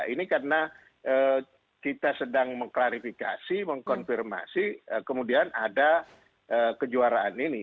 ini karena kita sedang mengklarifikasi mengkonfirmasi kemudian ada kejuaraan ini